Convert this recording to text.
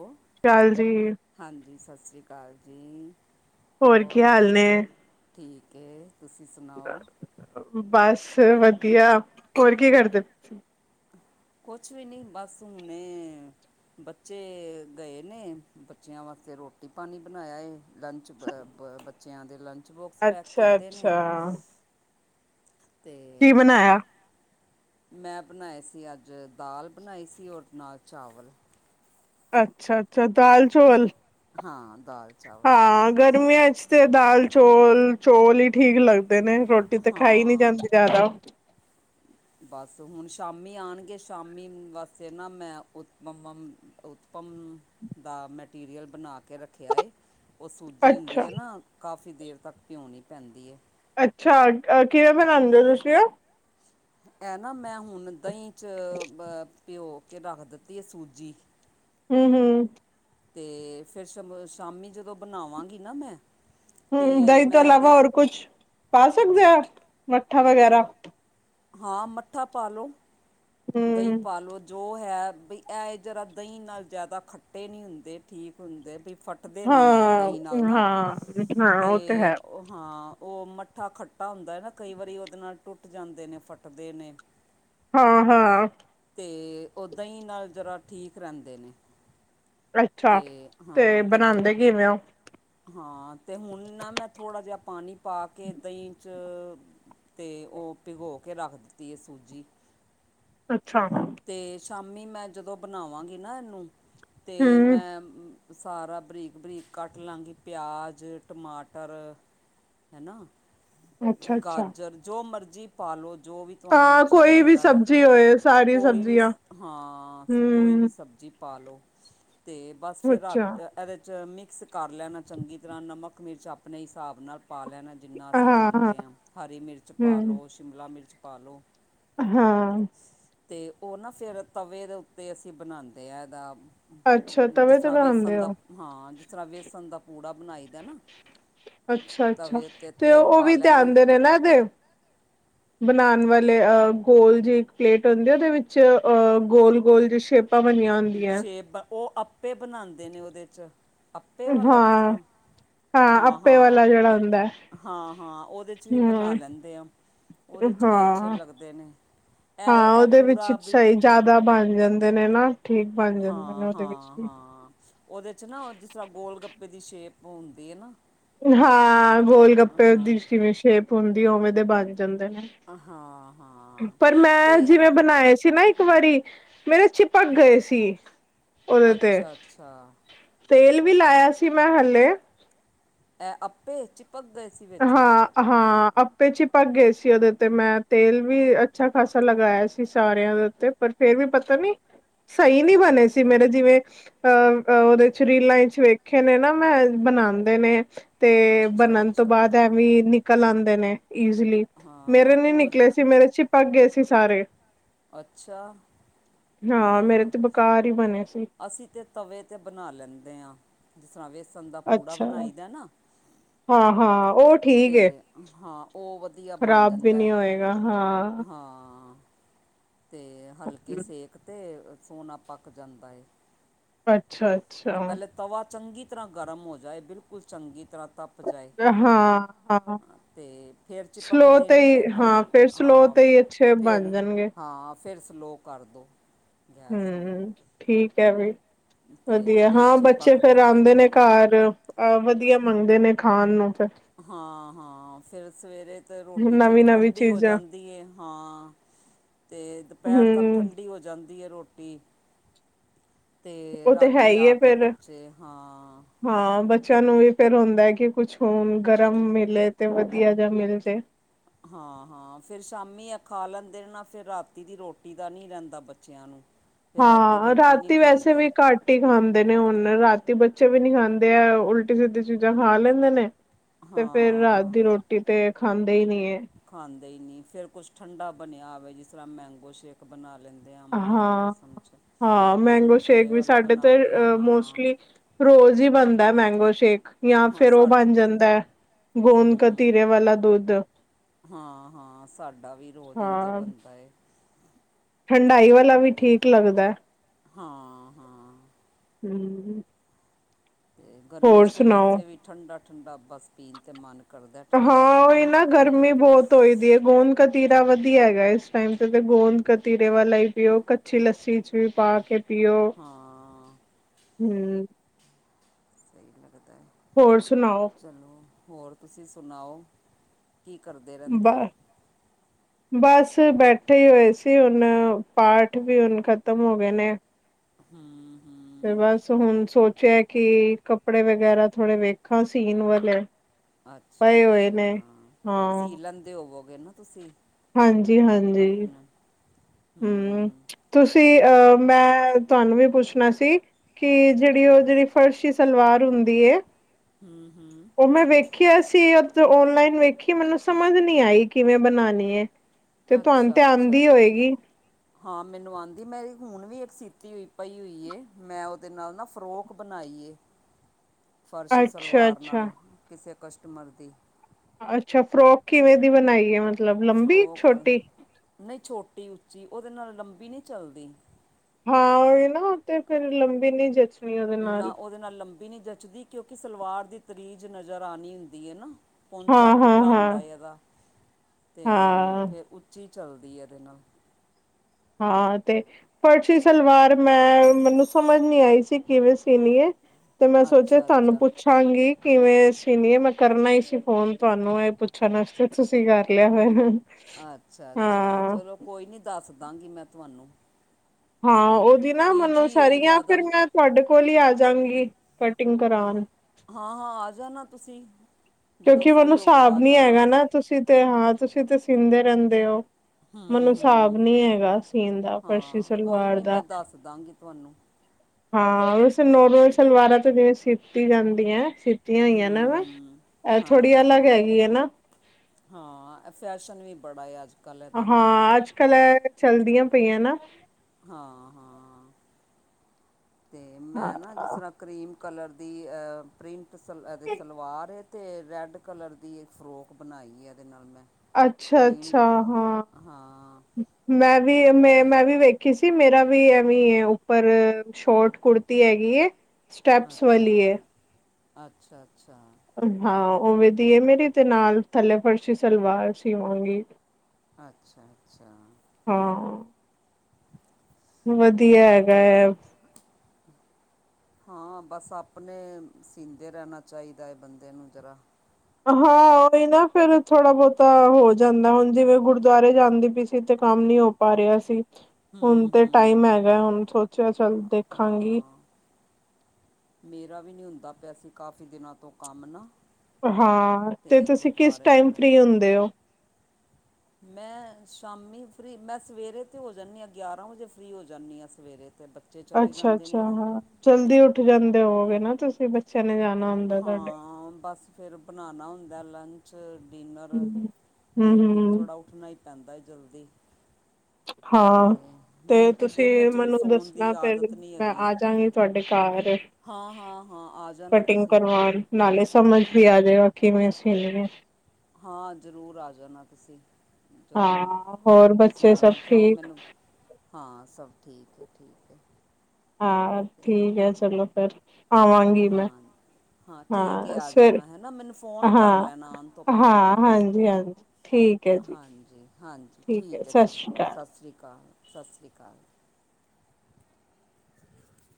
ਹੈ ਟਲ ਜੀ। ਹਾਂਜੀ ਸਸ ਰੀ ਕਾਲ ਜੀ। ਹੋਰ ਕੀ ਹਾਲ ਨੇ? ਠੀਕ ਏ ਤੁਸੀਂ ਸੁਣਾਓ? ਬਸ ਵਧੀਆ, ਹੋਰ ਕੀ ਕਰਦੇ ਤੁਸੀਂ? ਕੁੱਛ ਵੀ ਨੀ ਬਸ ਹੁਨੇ ਬੱਚੇ ਗੇ ਨੇ, ਬੱਚਿਆਂ ਵਾਸਤੇ ਰੋਟੀ- ਪਾਣੀ ਬਣਾ ਆਈ। ਲੰਚ ਬ- ਬ- ਬੱਚਿਆਂ ਦੇ ਲੰਚ ਬੋਕਸ ਪੈਕ ਅੱਛਾ ਕੀਤੇ ਨੇ ਅੱਛਾ ਅਤੇ ਕੀ ਬਣਾਇਆ? ਮੈਂ ਬਣਾਏ ਸੀ ਅੱਜ ਦਾਲ ਬਣਾਈ ਸੀ ਔਰ ਨਾਲ ਚਾਵਲ। ਅੱਛਾ ਅੱਛਾ, ਦਾਲ ਚੌਲ। ਹਾਂ ਦਾਲ ਚਾਵਲ ਹਾਂ ਗਰਮੀਆਂ ਚ ਤੇ ਦਾਲ ਚੌਲ- ਚੋਲ ਈ ਠੀਕ ਲੱਗਦੇ ਨੇ। ਰੋਟੀ ਤੇ ਖਾਈ ਨੀ ਹਾਂ ਜਾਂਦੀ ਜ਼ਿਆਦਾ। ਬਸ ਹੁਣ ਸ਼ਾਮੀ ਆਣਗੇ ਸ਼ਾਮੀ ਵਾਸਤੇ ਨਾ ਮੈਂ ਉਤਮਮ ਉਤਮ ਦਾ ਮੈਟੀਰੀਅਲ ਬਣਾ ਕੇ ਰੱਖਿਆ ਏ। ਉਹ ਸੂਜੀ ਹੁੰਦੀ ਅੱਛਾ ਹੈ ਨਾ, ਕਾਫੀ ਦੇਰ ਤੱਕ ਭਿਉਂਣੀ ਪੈਂਦੀ ਐ। ਅੱਛਾ, ਕਿਵੇਂ ਬਣਾਉਂਦੇ ਹੋ ਤੁਸੀਂ ਉਹ ਇਹ ਨਾ ਮੈਂ ਹੁਣ ਦਹੀਂ ਚ ਭਿਓ ਕੇ ਰੱਖ ਦਿੱਤੀ ਹੈ ਸੂਜੀ ਹੁੰ ਹੂੰ ਅਤੇ ਫਿਰ ਸ਼ਾਮੀਂ ਜਦੋਂ ਬਣਾਵਾਂਗੀ ਨਾ ਮੈਂ ਹਮ ਤੇ ਦਹੀਂ ਤੋਂ ਮੈਂ ਇਲਾਵਾ ਤੇ ਹੋਰ ਕੁਛ ਪਾ ਸਕਦੇ ਹਾਂ, ਮੱਠਾ ਵਗੈਰਾ ਹਾਂ ਮੱਠਾ ਪਾ ਲਓ, ਦਹੀਂ ਹਮ ਪਾ ਲਉ ਜੋ ਹੈ ਵੀ ਇਹ ਜ਼ਰਾ ਦਹੀਂ ਨਾਲ ਜ਼ਿਆਦਾ ਖੱਟੇ ਨਹੀਂ ਹੁੰਦੇ, ਠੀਕ ਹੁੰਦੇ ਵੀ ਫੱਟਦੇ ਨੀ ਹੈ ਹਾਂ ਦਹੀਂ ਨਾਲ ਨਾ ਹਾਂ ਹਾਂ ਉਹ ਤੇ ਹੈ ਉਹ ਹਾਂ ਉਹ ਮੱਠਾ ਖੱਟਾ ਹੁੰਦਾ ਨਾ ਕਈ ਵਾਰੀ ਉਹਦੇ ਨਾਲ ਟੁੱਟ ਜਾਂਦੇ ਨੇ ਫੱਟਦੇ ਨੇ ਹਾਂ -ਹਾਂ ਅਤੇ ਉੱਦਾਂ ਹੀ ਨਾਲ ਜ਼ਰਾ ਠੀਕ ਰਹਿੰਦੇ ਨੇ ਅੱਛਾ, ਅਤੇ ਤੇ ਹਾਂ ਅ ਤੇਥੋ ਬਣਾਂਦੇ ਕਿਵੇਂ ਓ? ਹਾਂ ਅਤੇ ਹੁਣ ਨਾ ਮੈਂ ਥੋੜ੍ਹਾ ਜਿਹਾ ਪਾਣੀ ਪਾ ਕੇ ਦਹੀਂ 'ਚ ਤੇ ਉਹ ਭਿਗੋ ਕੇ ਰੱਖ ਦਿੱਤੀ ਹੈ ਸੂਜੀ ਅੱਛਾ ਤੇ ਸ਼ਾਮੀ ਮੈਂ ਜਦੋਂ ਬਣਾਵਾਂਗੀ ਨਾ ਇਹਨੂੰ ਤੇ ਹੂੰ। ਮੈਂ ਸਾਰਾ ਬਰੀਕ -ਬਰੀਕ ਕੱਟ ਲਾਂਗੀ ਪਿਆਜ਼, ਟਮਾਟਰ ਹੈ ਨਾ ਅੱਛਾ, ਅੱਛਾ। ਗਾਜਰ ਜੋ ਮਰਜ਼ੀ ਪਾਲੋ ਜੋ ਵੀ ਤੁਹਾਨੂੰ ਹਾਂ, ਅੱਛਾ ਕੋਈ ਵੀ ਲੱਗਦਾ ਹੈ, ਸਬਜ਼ੀ ਹੋਏ ਸਾਰੀ ਕੋਈ ਵੀ ਸਬਜ਼ੀਆਂ। ਹਾਂ ਕੋਈ ਵੀ ਹੂੰ, ਸਬਜ਼ੀ ਪਾ ਲਉ ਅਤੇ ਬਸ ਫਿਰ ਅੱਛਾ। ਰਾਤ ਇਹਦੇ 'ਚ ਮਿਕਸ ਕਰ ਲੈਣਾ ਚੰਗੀ ਤਰ੍ਹਾਂ ਨਮਕ, ਮਿਰਚ ਆਪਣੇ ਹਿਸਾਬ ਨਾਲ ਪਾ ਲੈਣਾ। ਜਿੰਨਾ ਅਸੀਂ ਖਾਂਦੇ ਹਾਂ ਹਰੀ ਮਿਰਚ ਪਾ ਹੂੰ। ਲੋ, ਸ਼ਿਮਲਾ ਮਿਰਚ ਪਾ ਲੋ। ਹਾਂ ਤੇ ਉਹ ਨਾ ਫਿਰ ਤਵੇ ਦੇ ਉੱਤੇ ਅਸੀਂ ਬਣਾਉਦੇ ਆ, ਇਹਦਾ ਅੱਛਾ ਜਿਸ ਤਵੇ ਤੇ ਤਰ੍ਹਾਂ ਵੇਸਣ ਬਣਾਂਦੇ ਦਾ ਓ। ਹਾਂ, ਜਿਸ ਤਰ੍ਹਾਂ ਵੇਸਣ ਦਾ ਪੂੜਾ ਬਣਾਈ ਦਾ ਨਾ ਅੱਛਾ- ਅੱਛਾ ਤਵੇ ਉੱਤੇ ਤੇ ਤੇਲ ਉਹ ਪਾ ਵੀ ਤੇ ਲੈਣਾ ਆਂਦੇ ਨੇ ਨਾ ਇਹਦੇ ਬਣਾਉਣ ਵਾਲੇ ਅ ਗੋਲ ਜ ਇੱਕ ਪਲੇਟ ਹੁੰਦੀ ਹੈ, ਉਹਦੇ ਵਿੱਚ ਅ ਗੋਲ -ਗੋਲ ਜਿ ਸ਼ੇਪ ਸ਼ੇਪ ਉਹ ਆਪੇ ਬਣਾਉਂਦੇ ਨੇ, ਉਹਦੇ 'ਚ ਆਪੇ ਵਾਲਾ ਜਿਸ ਹਾਂ। ਤਰ੍ਹਾਂ ਆਪੇ ਹਾਂ ਵਾਲਾ ਜੇੜਾ ਹੁੰਦਾ। -ਹਾਂ, ਉਹਦੇ ਚ ਵੀ ਬਣਾ ਹੂੰ। ਲੈਂਦੇ ਆ। ਉਹਦੇ 'ਚ ਵੀ ਅੱਛੇ ਹਾਂ। ਲੱਗਦੇ ਨੇ। ਇਹ ਹਾਂ ਇਹ ਉਹਦੇ ਵਿੱਚ ਪੂਰਾ ਵੀ ਸਹੀ, ਜ਼ਿਆਦਾ ਬਣ ਜਾਂਦੇ ਨੇ ਨਾ। ਠੀਕ ਬਣ ਜਾਂਦੇ ਨੇ ਹਾਂ- ਉਹਦੇ ਵਿੱਚ ਹਾਂ, ਵੀ ਹਾਂ ਉਹਦੇ 'ਚ ਨਾ ਜਿਸ ਤਰ੍ਹਾਂ ਗੋਲ ਗੱਪੇ ਦੀ ਸ਼ੇਪ ਹੁੰਦੀ ਹੈ ਨਾ। ਹਾਂ ਗੋਲ ਗੱਪੇ ਦੀ ਹਾਂ ਜਿਵੇੰ ਦੀ ਸ਼ੇਪ ਹੁੰਦੀ ਉਵੇਂ ਦੇ ਬਣ ਜਾਂਦੇ ਨੇ। ਹਾਂ ਹਾਂ ਪਰ ਤੇ ਮੈਂ ਜਿਵੇਂ ਬਣਾਏ ਸੀ ਨਾ ਇੱਕ ਵਾਰੀ, ਮੇਰੇ ਚਿਪ ਪਕ ਗਏ ਸੀ, ਉਹਦੇ ਤੇ। ਅੱਛਾ ਅੱਛਾ ਤੇਲ ਵੀ ਲਾਇਆ ਸੀ ਮੈਂ ਹਲੇੇ। ਐ ਆਪੇ ਚਿਪਕ ਗਏ? ਸੀ ਵਿੱਚ ਹਾਂ। ਹਾਂ ਆਪੇ 'ਚ ਹੀ ਚਿਪਕ ਗਏ ਸੀ ਉਹਦੇ ਉਤੇ। ਮੈਂ ਤੇਲ ਵੀ ਅੱਛਾ ਖਾਸਾ ਲਗਾਇਆ ਸੀ, ਸਾਰਿਆਂ ਦੇ ਉੱਤੇ। ਪਰ ਫੇਰ ਵੀ ਪਤਾ ਨੀ, ਸਹੀ ਨਹੀਂ ਬਣੇ ਸੀ ਅੱਛਾ ਮੇਰੇ ਜਿਵੇਂ ਅ ਉਹਦੇ ਚ ਰੀਲਾਂ ਵਿਚ ਵੇਖੇ ਨੇ ਨਾ ਮੈਂ ਬਣਾਦੇ ਨੇ ਤੇ ਬਣ ਅੱਛਾ ਅੱਛਾ ਵੀ ਨਿਕਲ ਆਂਦੇ ਨੇ ਈਜ਼ਲੀ, ਮੇਰੇ ਹਾਂ ਨੀ ਉਹ ਨਿਕਲੇ ਸੀ। ਮੇਰੇ ਚਿਪਕ ਗਏ ਸੀ ਸਾਰੇ। ਅੱਛਾ ਮੇਰੇ ਹਾਂ, ਤੇ ਬੇਕਾਰ ਹੀ ਬਣੇ ਸੀ। ਅਸੀਂ ਤੇ ਤਵੇ ਤੇ ਬਣਾ ਲੈਂਦੇ ਹਾਂ, ਜਿਸ ਤਰ੍ਹਾਂ ਵੇਸਣ ਦਾ ਪੂੜਾ ਅੱਛਾ। ਬਣਾਈ ਦਾ ਨਾ। ਹਾਂ ਹਾਂ ਓ ਠੀਕ ਏ, ਤੇ ਹਾਂ ਉਹ ਵਧੀਆ ਬਣ ਖ਼ਰਾਬ ਵੀ ਜਾਂਦਾ ਹੈ। ਨੀ ਹੋਏਗਾ ਹਾਂ। ਹਾਂ- ਤੇ ਹਲਕੇ ਸੇਕ- ਤੇ ਸੋਣਾ ਪੱਕ ਜਾਂਦਾ ਏ। ਅੱਛਾ। ਅੱਛਾ ਪੈਲੇ ਤਵਾ ਚੰਗੀ ਤਰ੍ਹਾਂ ਗਰਮ ਹੋ ਜਾਏ, ਬਿਲਕੁਲ ਚੰਗੀ ਤਰ੍ਹਾਂ ਤਪ- ਜਾਏ ਹਾਂ-ਹਾਂ ਤੇ ਫੇਰ ਚਿਪਕਦੇ ਨੀ ਏ ਨਾਲ। ਹਾਂ ਫਿਰ ਸਲੋ ਹਾਂ ਤੇ ਹੀ ਅੱਛੇ -ਫੇਰ ਬਣ ਜਾਣਗੇ -ਹਾਂ ਫੇਰ ਸਲੋ ਕਰ ਦੋ। ਗੈਸ ਨੂੰ ਹੂੰਅ ਠੀਕ ਐ ਵੀ, ਤੇ ਵਧੀਆ ਬੜੇ ਹਾਂ ਅੱਛੇ ਬੱਚੇ ਪੱਕ ਫੇਰ ਜਾਂਦੇ ਆਂਦੇ ਨੇ। ਘਾਰ। ਆ ਵਧੀਆ ਮੰਗਦੇ ਨੇ ਖਾਣ ਨੂੰ ਤੇ- ਹਾਂ ਹਾਂ ਫੇਰ ਸਵੇਰੇ- ਤੇ ਰੋਟੀ ਚਲੋ ਨਵੀਂ ਨਵੀਂ ਠੰਡੀ ਹੋ ਚੀਜ਼ਾਂ ਜਾਂਦੀ ਏ ਹਾਂ। ਤੇ ਦਪੈਰ ਤੱਕ ਹਮ ਠੰਡੀ ਹੋ ਜਾਂਦੀ ਏ ਰੋਟੀ। ਤੇ ਉਹ ਹੈ ਰਾਤੀ ਹੀ ਆ ਹੈ ਕੇ ਫੇਰ ਬੱਚੇ ਹਾਂ। ਹਾਂ ਬੱਚਿਆਂ ਨੂੰ ਵੀ ਫੇਰ ਹੁੰਦਾ ਏ ਕੀ, ਕੁਛ ਹੁਣ ਗਰਮ ਮਿਲੇ ਤੇ ਵਧੀਆ ਜਾ ਮਿਲ ਜੇ। ਹਾਂ ਹਾਂ ਫੇਰ ਸ਼ਾਮੀ ਏ ਖਾ ਲੈਂਦੇ ਨੇ ਨਾ, ਫੇਰ ਰਾਤੀ ਦੀ ਰੋਟੀ ਦਾ ਨੀ ਰੈਂਦਾ ਬੱਚਿਆਂ ਨੂੰ। ਫਿਰ ਰਾਤੀ ਹਾਂ, ਰੋਟੀ ਨਹੀਂ ਰਾਤੀ ਵੈਸੇ ਖਾਂਦੇ ਵੀ ਘੱਟ- ਘਟ ਈ ਖਾਂਦੇ ਨੇ, ਹੁਣ ਰਾਤੀ ਬੱਚੇ ਵੀ ਨੀ ਖਾਂਦੇ, ਐ ਉਲਟੀ ਸਿੱਧੀ ਚੀਜ਼ਾਂ ਖਾ ਲੈਂਦੇ ਨੇ। ਤੇ ਫੇਰ ਰਾਤ ਹਾਂ ਦੀ ਰੋਟੀ ਤੇ ਖਾਂਦੇ ਈ ਨੀ ਏ। ਖਾਂਦੇ ਈ ਨੀ, ਫੇਰ ਕੁਛ ਠੰਡਾ ਬਣਿਆ ਓਵੇ, ਜਿਸ ਤਰ੍ਹਾਂ ਮੈਂਗੋ ਸ਼ੇਕ- ਬਣਾ ਲੈਂਦੇ ਆ, ਅੰਬਾਂ ਦੇ ਹਾਂ ਮੌਸਮ 'ਚ। ਹਾਂ ਮੈਂਗੋ ਰੂਹ ਅਫਜ਼ੇ ਸ਼ੇਕ ਵੀ ਵਾਲਾ ਸਾਡੇ ਬਣਾ ਤੇ ਲਿਆ ਅ ਹਾਂ ਮੋਸਟਲੀ- ਰੋਜ਼ ਈ ਬਣਦਾ ਮੈਂਗੋ ਸ਼ੇਕ। ਜਾਂ ਹਾਂ ਫੇਰ ਓ ਸਾ ਬਣ ਜਾਂਦਾ ਗੂੰਦ ਹੂੰ ਕਤੀਰੇ ਵਾਲਾ ਦੁੱਧ। ਹਾਂ ਹਾਂ ਸਾਡਾ ਵੀ ਰੋਜ਼ ਇੰਝੇ ਹਾਂ ਬਣਦਾ ਏ। ਠੰਡਾਈ ਵਲਾ ਵੀ ਤੇ ਠੀਕ ਲੱਗਦਾ। ਹਾਂ- ਹਾਂ। ਹੂੰਅ ਹੂੰ। ਤੇ ਗਰਮੀ 'ਚ ਤੇ ਸੁਣਾਓ ਵੈਸੇ ਵੀ ਠੰਡਾ-ਠੰਡਾ ਬਸ ਪੀਣ ਤੇ ਮਨ- ਕਰਦਾ ਹਾਂ ਠੰਡਾ ਪੀ ਓਹੀ ਲਓ ਨਾ ਗਰਮੀ ਬੋਤ- ਧੋਈ ਦੀ ਏ। ਗੋਂਦ ਕਤੀਰਾ ਵਧੀਆ ਹੈਗਾ, ਇਸ ਟਾਈਮ ਤੇ ਤੇ ਗੋਂਦ- ਕਤੀਰੇ ਵਾਲਾ ਈ ਪੀਓ, ਕੱਚੀ ਲੱਸੀ 'ਚ ਵੀ ਪਾ ਕੇ ਪੀਓ। ਹਾਂ ਹੂੰਅ ਸਈ ਲੱਗਦਾ ਐ। ਹੋਰ ਸੁਣਾਓ। ਚਲੋ ਹੋਰ ਤੁਸੀਂ ਸੁਣਾਓ, ਕੀ ਕਰਦੇ ਬ ਰੈਂਦੇ ਓ। ਬਸ ਬੈਠੇ ਈ ਓਏ ਸੀ, ਹੁਣ ਪਾਠ ਵੀ ਹੁਣ ਖਤਮ ਹੋ ਗੇ ਨੇ। ਹੂੰਅ ਹੂੰ ਤੇ ਬਸ ਹੁਣ ਸੋਚਿਆ ਕੀ ਕੱਪੜੇ ਵਗੈਰਾ ਥੋੜੇ ਵੇਖਾਂ ਸੀਨ ਵਲੇ। ਅੱਛਾ ਅੱਛਾ ਹਾਂ ਸੀ ਲੈਂਦੇ ਹੋਵੋਗੇ ਨਾ ਤੁਸੀਂ। ਹਾਂਜੀ ਹਾਂਜੀ ਆਪਣਾ ਹੂੰ। ਤੁਸੀਂ ਅਹ ਮੈਂ ਤੁਆਨੂੰ ਵੀ ਪੁੱਛਣਾ ਸੀ। ਕੀ ਜੜੀ ਓ ਜੜੀ ਫਰਸ਼ੀ ਸਲਵਾਰ ਹੁੰਦੀ ਏ। ਹੂੰ ਹੂੰ ਓ ਮੈਂ ਵੇਖਿਆ ਸੀ ਓਰ'ਚ, ਓਨਲਾਈਨ ਵੇਖੀ ਮੈਨੂੰ ਸਮਝ ਨੀ ਆਈ ਕਿਵੇਂ ਬਣਾਣੀ ਏ। ਤੇ ਤੁਹਨ ਅੱਛਾ ਤਾ ਆਉਂਦੀ ਅੱਛਾ ਹੋਏਗੀ। ਹਾਂ, ਮੈਨੂੰ ਆਉਂਦੀ ਮੇਰੀ ਹੁਣ ਵੀ ਇੱਕ ਸੀਤੀ ਹੋਈ ਪਈ ਹੋਈ ਮੈਂ ਉਹਦੇ ਨਾਲ ਨਾ ਫਰੋਕ ਇਕ ਬਣਾਈ ਏ, ਫਰਸ਼ੀ ਅੱਛਾ ਸਲਵਾਰ ਨਾਲ ਅੱਛਾ ਕਿਸੇ ਕਸਟਮਰ ਦੀ। ਅੱਛਾ, ਫਰੋਕ ਕਿਵੇਂ ਦੀ ਬਣਾਈ ਹੈ ਮਤ ਫਰੋਕ ਨਹੀਂ, ਛੋਟੀ ਉੱਚੀ ਉਹਦੇ ਨਾਲ ਲੰਬੀ ਨਹੀਂ ਚੱਲਦੀ। ਹਾਂ, ਹੋਈ ਨਾ ਤੇ ਫੇਰ ਲੰਬੀ ਨੀ ਜਚ ਨਾ, ਉਹਦੇ ਨਾਲ ਲੰਬੀ ਨਹੀਂ ਜੱਚਦੀ ਕਿਉਂਕਿ ਸਲਵਾਰ ਦੀ ਤਰੀਜ਼ ਨਜ਼ਰ ਆਉਣੀ ਹੁੰਦੀ ਹੈ ਨਾ। ਪਹੁੰਚਾ ਹਾਂ, ਹਾਂ, ਖੁੱਲ੍ਹਾ ਹੁੰਦਾ ਹਾਂ, ਹੈ ਇਹਦਾ, ਤੇ ਹਾਂ, ਫਿਰ ਉੱਚੀ ਚੱਲਦੀ ਹੈ ਇਹਦੇ ਨਾਲ। ਹਾਂ ਤੇ ਫਰਸ਼ੀ ਸਲਵਾਰ ਮੈਂ ਮੈਨੂੰ ਸਮਝ ਨੀ ਆਈ ਸੀ ਕਿਵੇਂ ਸੀਣੀਏ? ਤੇ ਮੈਂ ਸੋਚਿਆ ਅੱਛਾ ਤੁਹਾਨੂੰ ਅੱਛਾ ਪੁੱਛ ਕਹਾਗੀ, ਕਿਵੇਂ ਸੀਨੀ ਮੈਂ ਕਰਨਾ ਹੀ ਸੀ ਫੋਨ ਤੁਹਾਨੂੰ, ਇਹ ਪੁੱਛਣ ਵਸਤੇ ਤੁਸੀਂ ਕਰ ਲਿਆ ਫਿਰ ਅੱਛਾ-ਅੱਛਾ, ਹਾਂ। ਚਲੋ ਕੋਈ ਨੀ ਦੱਸ ਦਾਂਗੀ ਮੈਂ ਤੁਹਾਨੂੰ। ਹਾਂ, ਉਹਦੀ ਨਾ ਮੈਨੂੰ ਈਜੀ ਏ ਸਰੀ ਜਾਂ ਫਿਰ ਜ਼ਿਆਦਾ ਮੈਂ ਤੁਹਾਡੇ ਕੋਲ ਹੀ ਆ ਜਾਗੀ ਕਟਿੰਗ ਕਰਾਉਣ ਹਾਂ-ਹਾਂ, ਆ ਜਾਣਾ ਤੁਸੀਂ। ਜਦੋਂ ਕਿਉਂਕਿ ਫ੍ਰਰੀ ਮੈਨੂੰ ਹੋਵੋ ਹਿਸਾਬ ਆ ਨੀ ਜਾਣਾ ਹੈਗਾ ਨਾ ਤੁਸੀਂ ਤੇ ਹਾਂ ਤੁਸੀਂ ਤੇ ਸੀਂਦੇ ਰਹਿੰਦੇ ਹੋ। ਹੂੰ ਮੈਨੂੰ ਹਿਸਾਬ ਹੂੰ ਨੀ ਹੈਗਾ ਸੀਨ ਦਾ ਫਰਸ਼ੀ ਹਾਂ ਕੋਈ ਸਲਵਾਰ ਨਹੀਂ ਦਾ। ਮੈਂ ਦੱਸ ਦਾਂਗੀ ਤੁਹਾਨੂੰ ਹਾਂ, ਨੋਰਮਲ ਸਲਵਾਰਾਂ ਤੇ ਜਿਵੇਂ ਸੀਤੀ ਜਾਂਦੀਆਂ, ਸੀ ਹੂੰ -ਹੂੰ। ਇਹ ਹਾਂ ਥੋੜ੍ਹੀ ਅਲੱਗ ਹਾਂ ਹੈਗੀ ਹੈ ਨਾ। ਹਾਂ, ਇਹ ਫੈਸ਼ਨ ਵੀ ਬੜਾ ਹੈ ਅਜ ਹਾਂ, ਅੱਜ-ਕੱਲ੍ਹ ਇਹ ਚੱਲਦੀਆਂ ਪਈਆਂ ਨਾ। ਹਾਂ-ਹਾਂ, ਤੇ ਮੈਂ ਨਾ ਜਿਸ ਤਰ੍ਹਾਂ ਕਰੀਮ ਕਲਰ ਦੀ ਪ੍ਰਿੰਟ ਸਲ ਇਦੇ ਚੋ ਸਲਵਾਰ ਏ ਤੇ ਰੈਡ ਕਲਰ ਦੀ ਇੱਕ ਫਰੋਕ ਬਣਾਈ ਹੈ ਇਹਦੇ ਨਾਲ ਮੈਂ। ਕਰੀਮ ਅੱਛਾ-ਅੱਛਾ, ਹਾਂ ਹਾਂ ਮੈਂ ਵੀ ਮੈਂ ਅਤੇ ਮੈਂ ਵੀ ਵੇਖ ਕਿਸੀ ਮੇਰਾ ਵੀ ਐਵੇਂ ਹੈ ਉੱਪਰ ਸ਼ੋਟ ਕੁਰਤੀ ਹੈਗੀ ਏ। ਅੱਛਾ-ਅੱਛਾ-ਅੱਛਾ। ਹਾਂ, ਉਵੇ ਦੀ ਹੈ ਮੇਰੀ ਤੇ ਨਾਲ ਥੱਲੇ ਫਰਸ਼ੀ ਸਲਵਾਰ ਸੀਵਾਂਗੀ। ਅੱਛਾ-ਅੱਛਾ। ਹਾਂ, ਵਧੀਆ ਹੈਗਾ ਹੈ। ਹ [unintelligible] ਹਾਂ, ਬਸ ਆਪਣੇ ਸੀਦੇ ਰਹਿਣਾ ਚਾਹੀਦਾ ਹੈ ਬੰਦੇ ਨੂੰ ਜਰਾ। ਹਾਂ, ਉਹੀ ਨਾ ਫੇਿਰ ਥੋੜਾ ਬਹੁਤਾ ਹੋ ਜਾਂਦਾ ਹੁਣ ਜਿਵੇਂ ਗੁਰਦੁਆਰੇ ਜਾਂਦੀ ਪਈ ਸੀ। ਤੇ ਕੰਮ ਨੀ ਹੋ ਪਾ ਰਿਹਾ ਸੀ, ਹੁਣ ਹੂੰ ਤੇ ਟਾਈਮ ਹੂੰ ਹੈਗਾ ਹੁਣ ਸ ਚਾ ਚੱਲ ਦੇਖਾਂਗੀ। ਹਾਂ ਮੇਰਾ ਵੀ ਨਹੀਂ ਹੁੰਦਾ ਪਿਆ ਸੀ, ਕਾਫੀ ਦਿਨਾਂ ਤੋਂ ਕੰਮ ਨਾ। ਹਾਂ, ਤੇ, ਤੁਸੀਂ ਕਿਸ ਗੁਰਦੁਆਰੇ ਟਾਈਮ ਚਲੇ ਫ੍ਰਰੀ ਹੁੰਦੇ ਔ? ਮੈਂ ਸ਼ਾਮੀ ਫ੍ਰੀ, ਮੈਂ ਸਵੇਰੇ ਤੋਂ ਹੋ ਜਾਂਨੀ ਆ ਗਿਆਰਾਂ ਵਜੇ ਫ੍ਰੀ ਹੋ ਜਾਂਨੀ ਆ, ਸਵੇਰੇ ਤੇ ਬ ਅੱਛਾ-ਅੱਛਾ ਹਾਂ, ਜਲਦੀ ਉੱਠ ਜਾਂਦੇ ਹੋਵੋਗੇ ਨਾ ਤੁਸੀਂ ਬੱਚਿਆਂ ਨੇ ਜਾਣਾ ਹੂੰ ਹਾਂ, ਬਸ ਫਿਰ ਬਣਾਣਾ ਹੁੰਦਾ ਏ ਲੰਚ, ਡਿਨਰ ਹਮ ਹਮ ਤੇ ਫਿਰ ਹਮ ਥੋੜਾ ਉੱਠਣਾ ਹੀ ਪੈਂਦਾ ਏ ਜਲਦੀ। ਤੇ ਹਾਂ! ਤੇ ਮੈਨੂੰ ਦਿਨ ਤੁਸੀਂ ਵਿੱਚ ਵੀ ਮੈਨੂੰ ਸੌਣ ਦੀ ਦੱਸਣਾ ਫਿਰ ਆਦਤ ਨਹੀਂ ਮੈਂ ਹੈਗੀ ਆਜਾਂਗੀ ਤੁਹਾਡੇ ਘਾਰ। ਹਾਂ- ਹਾਂ- ਹਾਂ। ਆ ਜਾਂਣਾ ਤੁਸੀਂ। ਨਾਲੇ ਸਮਝ ਵੀ ਆ ਜਾਏਗਾ। ਕਿਵੇਂ ਸੀਨੀ ਏ। ਹਾਂ! ਜ਼ਰੂਰ ਆ ਜਾਣਾ ਤੁਸੀਂ। ਜਦੋਂ। ਹਾਂ ਹੋਰ ਤੁਸੀਂ ਬੱਚੇ ਸਭ ਆਣਾ ਚਾਹੋ ਠੀਕ ਮੈਨੂੰ ਹਾਂ! ਸਭ ਠੀਕ ਏ। ਠੀਕ ਏ। ਹਾਂ! ਠੀਕ ਐ। ਚਲੋ ਫੇਰ ਆਵਾਂਗੀ। ਮੈਂ ਹਾਂ। ਹਾਂ ਠੀਕ ਐ। ਆ ਜਾਣਾ ਹੈਨਾ। ਮੈਨੂੰ ਫੋਨ ਕਰ ਹਾਂ ਲੈਣਾ ਆਣ ਤੋਂ ਪਹਿਲੇ ਹਾਂ ਨਾ। ਹਾਂਜੀ ਹਾਂਜੀ ਠੀਕ ਹੈ ਜੀ ਹਾਂਜੀ-ਹਾਂਜੀ ਹੈ ਠੀਕ ਏ ਜੀ ਸਤਿ ਚਲੋ। ਸ਼੍ਰੀ ਅਕਾਲ ਸੱਸਰੀ ਕਾਲ। ਸੱਸਰੀ ਕਾਲ।